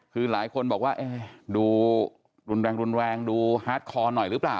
คือหลายคนบอกว่าดูรุนแรงรุนแรงดูฮาร์ดคอหน่อยหรือเปล่า